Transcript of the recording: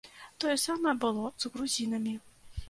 Тое самае было з грузінамі.